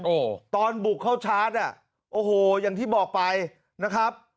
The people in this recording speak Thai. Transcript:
โอ้โหตอนบุกเข้าชาร์จอ่ะโอ้โหอย่างที่บอกไปนะครับ